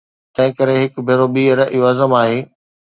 تنهنڪري هڪ ڀيرو ٻيهر اهو عزم آهي